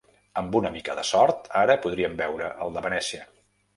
Amb una mica de sort, ara podríem veure el de Venècia.